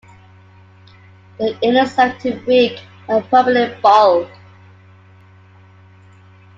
The illness left him weak and permanently bald.